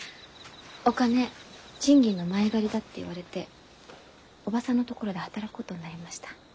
お金賃金の前借りだって言われて叔母さんのところで働くことになりました。